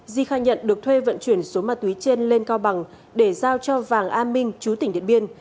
di khai nhận được thuê vận chuyển số ma túy trên lên cao bằng để giao cho vàng a minh chú tỉnh điện biên